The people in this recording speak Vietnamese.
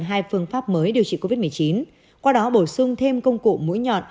hai phương pháp mới điều trị covid một mươi chín qua đó bổ sung thêm công cụ mũi nhọn